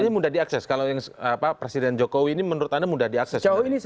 ini mudah diakses kalau yang presiden jokowi ini menurut anda mudah diakses